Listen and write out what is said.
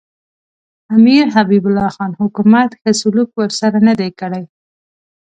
امیر حبیب الله خان حکومت ښه سلوک ورسره نه دی کړی.